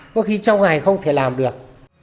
có khi trong ngày không thể làm được